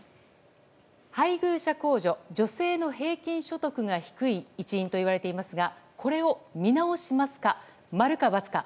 配偶者控除女性の平均所得が低い一因と言われていますがこれを見直しますか、○か×か。